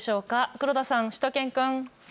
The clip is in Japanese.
黒田さん、しゅと犬くん。